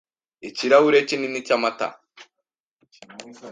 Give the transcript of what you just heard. Ikirahure kinini cy’amata